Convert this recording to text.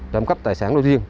trộm cắp tài sản đối riêng